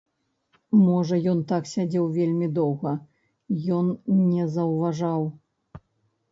Можа ён так сядзеў вельмі доўга, ён не заўважаў.